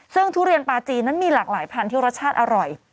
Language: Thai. ซึ่งทุเรียนปลาจีนนั้นมีหลากหลายพันธุ์รสชาติอร่อย